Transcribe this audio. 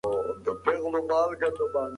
پوښتنه ماشوم فکر ته اړ باسي.